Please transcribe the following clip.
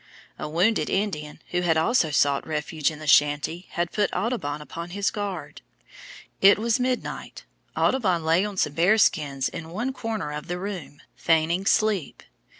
A wounded Indian, who had also sought refuge in the shanty had put Audubon upon his guard. It was midnight, Audubon lay on some bear skins in one corner of the room, feigning sleep.